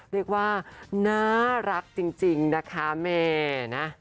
เรียกว่าน่ารักจริงนะคะแม่นะ